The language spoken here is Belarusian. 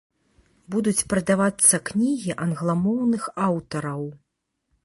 Будуць прадавацца кнігі англамоўных аўтараў.